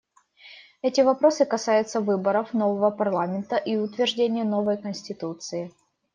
Эти вопросы касаются выборов нового парламента и утверждения новой конституции.